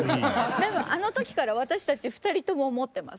でもあの時から私たち２人とも思ってます。